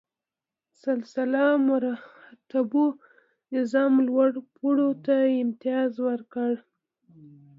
سلسله مراتبو نظام لوړ پوړو ته امتیاز ورکړ.